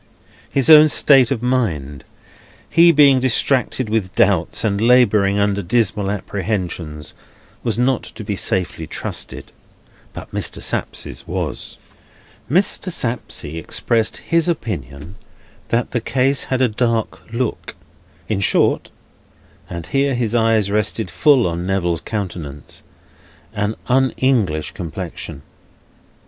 His own state of mind, he being distracted with doubts, and labouring under dismal apprehensions, was not to be safely trusted; but Mr. Sapsea's was. Mr. Sapsea expressed his opinion that the case had a dark look; in short (and here his eyes rested full on Neville's countenance), an Un English complexion.